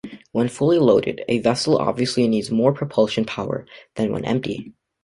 When fully loaded, a vessel obviously needs more propulsion power than when empty.